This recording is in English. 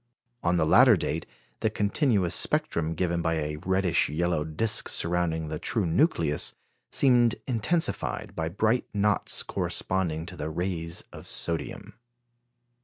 On the latter date, the continuous spectrum given by a reddish yellow disc surrounding the true nucleus seemed intensified by bright knots corresponding to the rays of sodium.